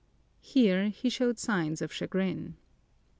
Here he showed signs of chagrin.